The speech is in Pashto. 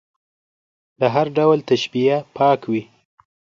له هر ډول تشبیه پاک وي.